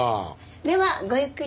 ではごゆっくり。